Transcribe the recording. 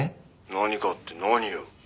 「何かって何よ？」